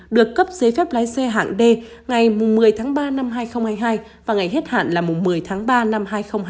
được cấp giấy phép lái xe hạng d ngày một mươi tháng ba năm hai nghìn hai mươi hai và ngày hết hạn là một mươi tháng ba năm hai nghìn hai mươi